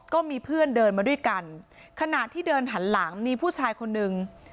ก็มีเพื่อนเดินมาด้วยกันขณะที่เดินหันหลังมีผู้ชายคนนึง